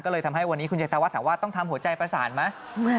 ก็เลยทำให้วันนี้คุณชัยธวัฒนถามว่าต้องทำหัวใจประสานไหม